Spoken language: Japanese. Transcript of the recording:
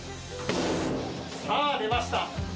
さあ、出ました。